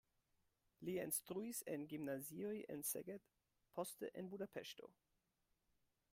Li instruis en gimnazioj en Szeged, poste en Budapeŝto.